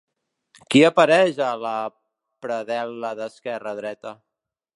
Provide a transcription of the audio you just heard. Qui apareix a la predel·la d'esquerra a dreta?